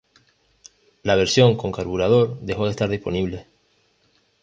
La versión con carburador dejó de estar disponible.